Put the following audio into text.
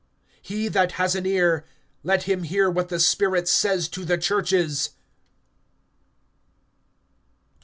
(29)He that has an ear, let him hear what the Spirit says to the churches. III.